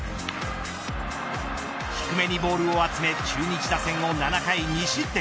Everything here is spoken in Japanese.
低めにボールを集め中日打線を７回２失点。